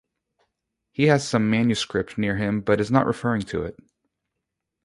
He has some manuscript near him, but is not referring to it.